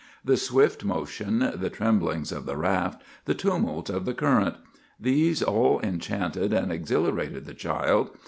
The swift motion, the tremblings of the raft, the tumult of the currents,—these all enchanted and exhilarated the child.